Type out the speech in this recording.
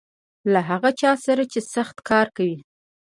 له هغه چا سره چې سخت کار کوي .